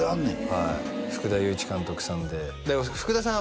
はい福田雄一監督さんで福田さん